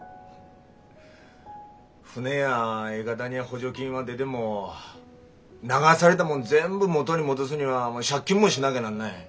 船やいかだに補助金は出でも流されたもん全部元に戻すには借金もしなぎゃなんない。